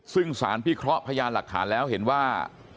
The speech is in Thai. ซึ่งสารพิเคราะห์พยานหลักฐานแล้วเห็นว่า